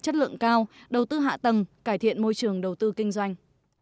chất lượng cao đầu tư hạ tầng cải thiện môi trường đầu tư kinh doanh